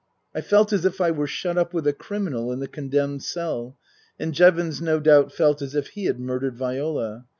I felt as if I were shut up with a criminal in the condemned cell, and Jevons no doubt felt as if he had murdered Viola.